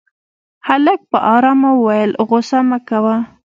هلک په آرامه وويل غوسه مه کوه.